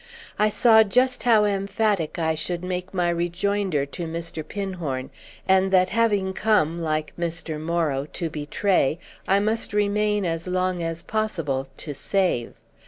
I saw just how emphatic I should make my rejoinder to Mr. Pinhorn, and that having come, like Mr. Morrow, to betray, I must remain as long as possible to save.